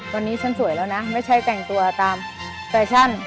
ตอนนี้ฉันสวยแล้วนะไม่ใช่แต่งตัวตามแฟชั่น